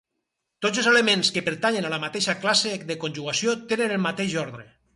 Tots els elements que pertanyen a la mateixa classe de conjugació tenen el mateix ordre.